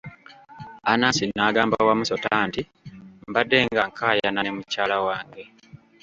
Anansi n'agamba Wamusota nti, mbadde nga nkayaana ne mukyala wange .